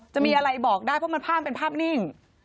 จะมีอะไรบอกได้เพราะมันภาพเป็นภาพนิ่ง